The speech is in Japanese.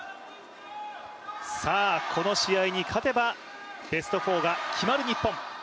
この試合に勝てばベスト４が決まる日本。